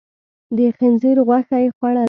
د خنزير غوښه يې خوړله؟